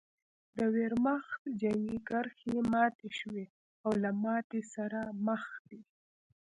د ویرماخت جنګي کرښې ماتې شوې او له ماتې سره مخ دي